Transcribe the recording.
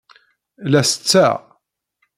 La setteɣ.